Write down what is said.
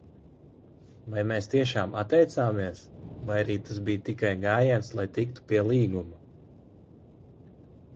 Vai mēs tiešām atteicāmies, vai arī tas bija tikai gājiens, lai tiktu pie līguma?